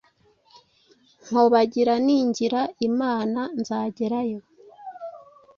mpobagira ningira Imana nzagerayo.”